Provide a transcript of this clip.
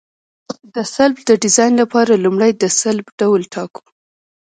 د سلب د ډیزاین لپاره لومړی د سلب ډول ټاکو